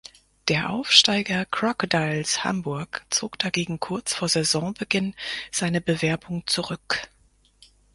Der Aufsteiger Crocodiles Hamburg zog dagegen kurz vor Saisonbeginn seine Bewerbung zurück.